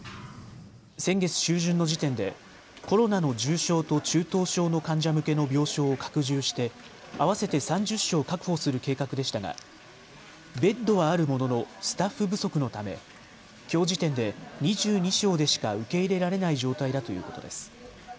先月中旬の時点でコロナの重症と中等症の患者向けの病床を拡充して合わせて３０床確保する計画でしたがベッドはあるもののスタッフ不足のためきょう時点で２２床でしか受け入れられない状態だということです。